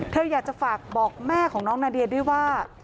เธออยากจะฝากบอกแม่ของน้องนาเดียด้วยว่า